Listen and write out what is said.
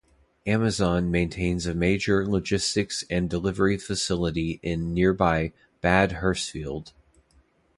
Amazon maintains a major logistics and delivery facility in nearby Bad Hersfeld.